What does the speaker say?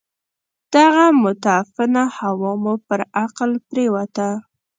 دغه متعفنه هوا مو پر عقل پرېوته ده.